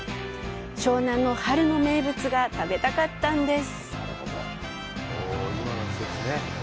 湘南の春の名物が食べたかったんです。